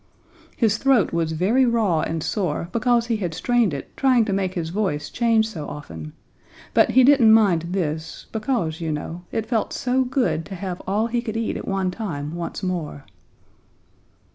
His throat was very raw and sore because he had strained it trying to make his voice change so often, but he didn't mind this, because, you know, it felt so good to have all he could eat at one time once more.